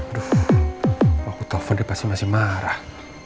aduh kalau aku telfon dia pasti masih marah